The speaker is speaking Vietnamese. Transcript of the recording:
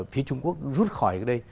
phía trung quốc rút khỏi ở đây